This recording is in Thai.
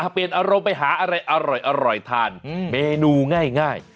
เปลี่ยนอารมณ์ไปหาอะไรอร่อยทานเมนูง่าย